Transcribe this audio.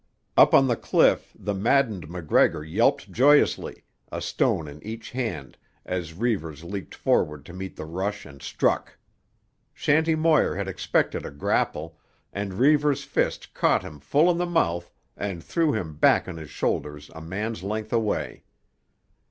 Up on the cliff the maddened MacGregor yelped joyously, a stone in each hand, as Reivers leaped forward to meet the rush and struck. Shanty Moir had expected a grapple, and Reivers' fist caught him full in the mouth and threw him back on his shoulders a man's length away.